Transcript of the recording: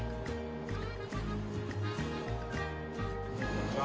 こんにちは。